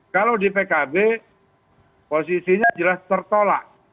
kalau di pkb posisinya jelas tertolak